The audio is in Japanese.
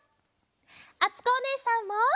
あつこおねえさんも！